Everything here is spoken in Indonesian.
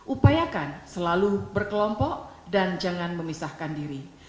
upayakan selalu berkelompok dan jangan memisahkan diri